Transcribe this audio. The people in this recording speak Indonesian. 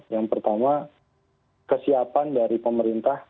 yang pertama kesiapan dari pemerintah